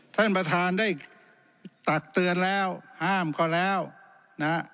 ท่านประธานได้ตักเตือนแล้วห้ามก็แล้วนะฮะ